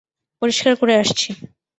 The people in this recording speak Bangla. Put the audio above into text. পরিষ্কার করে আসছি।